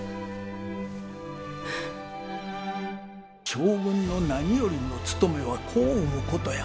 将軍の何よりのつとめは子を産むことや！